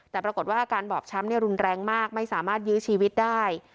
แต่ปรากฏว่าอาการบอบช้ำรุนแรงมากไม่สามารถยื้อชีวิตได้